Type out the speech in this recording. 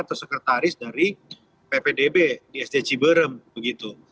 atau sekretaris dari ppdb di sd ciberem begitu